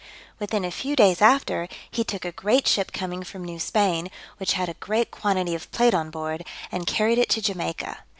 Within a few days after, he took a great ship coming from New Spain, which had a great quantity of plate on board, and carried it to Jamaica.